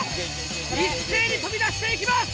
一斉に飛び出していきます！